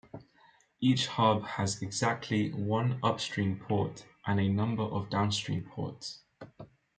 Each hub has exactly one upstream port and a number of downstream ports.